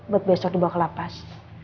buat besok dibawa ke lapas